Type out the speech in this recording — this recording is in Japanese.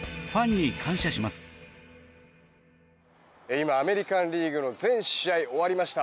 今、アメリカン・リーグの全試合、終わりました。